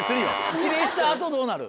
一礼した後どうなる？